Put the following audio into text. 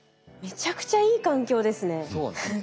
めちゃくちゃいい環境ですね。